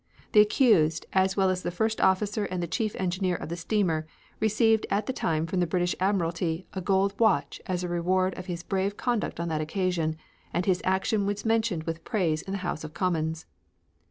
The accused, as well as the first officer and the chief engineer of the steamer, received at the time from the British Admiralty a gold watch as a reward of his brave conduct on that occasion, and his action was mentioned with praise in the House of Commons.